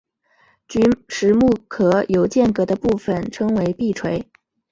菊石目壳有间隔的部份称为闭锥。